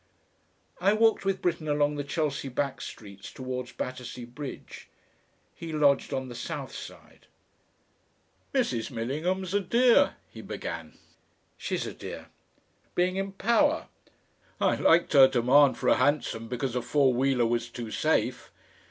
I walked with Britten along the Chelsea back streets towards Battersea Bridge he lodged on the south side. "Mrs. Millingham's a dear," he began. "She's a dear." "I liked her demand for a hansom because a four wheeler was too safe."